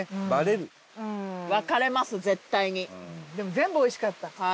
全部おいしかった。